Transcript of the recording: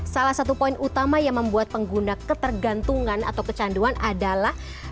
salah satu poin utama yang membuat pengguna ketergantungan atau kecanduan adalah